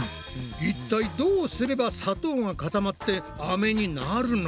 一体どうすれば砂糖が固まってアメになるのよ？